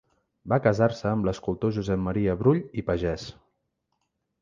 Va casar-se amb l'escultor Josep Maria Brull i Pagès.